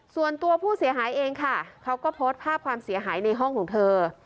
ส่วนตัวผู้เสียหายเองค่ะเขาก็โพสต์ภาพความเสียหายในห้องของเธอ